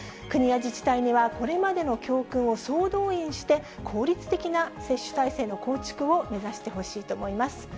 国や自治体には、これまでの教訓を総動員して、効率的な接種体制の構築を目指してほしいと思います。